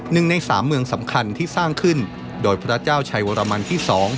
หนึ่งในสามเมืองสำคัญที่สร้างขึ้นโดยพระเจ้าชัยวรมันที่๒